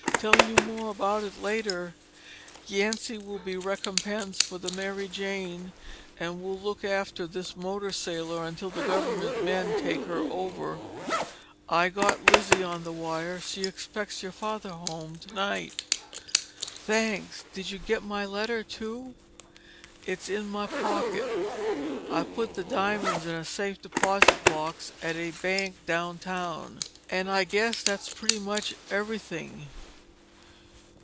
Tell you more about it later. Yancy will be recompensed for the Mary Jane and will look after this motor sailor until the government men take her over. I got Lizzie on the wire. She expects your father home tonight." "Thanks. Did you get my letter, too?" "It's in my pocket. I put the diamonds in a safe deposit box at a bank uptown. And I guess that's pretty much everything."